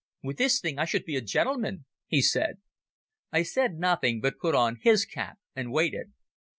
"With this thing I should be a gentleman," he said. I said nothing, but put on his cap and waited.